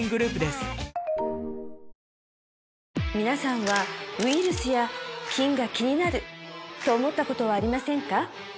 皆さんはウイルスや菌が気になると思ったことはありませんか？